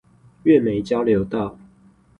月眉交流道